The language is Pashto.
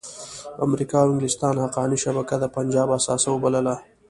امریکا او انګلستان حقاني شبکه د پنجاب اثاثه وبلله.